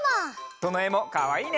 どのえもかわいいね。